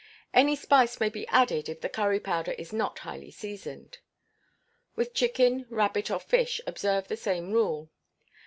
Any spice may be added if the curry powder is not highly seasoned. With chicken, rabbit, or fish, observe the same rule.